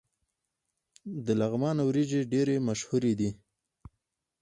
د لغمان وریجې ډیرې مشهورې دي.